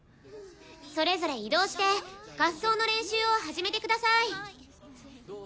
それぞれ移動して合奏の練習を始めてください。